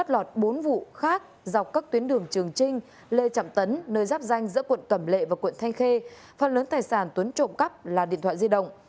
lê trọng tấn nơi giáp danh giữa quận cẩm lệ và quận thanh khê phần lớn tài sản tuấn trộm cắp là điện thoại di động